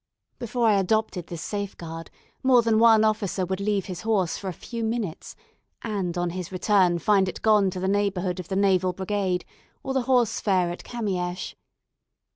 Before I adopted this safeguard, more than one officer would leave his horse for a few minutes, and on his return find it gone to the neighbourhood of the Naval Brigade, or the horse fair at Kamiesch.